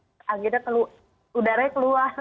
itu pun saya harus kita jendela setiap hari supaya akhirnya keluar